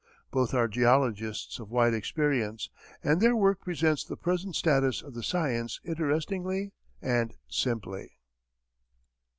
Both are geologists of wide experience, and their work presents the present status of the science interestingly and simply.